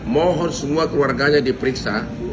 mohon semua keluarganya diperiksa